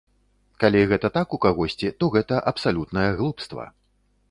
Калі гэта так у кагосьці, то гэта абсалютнае глупства.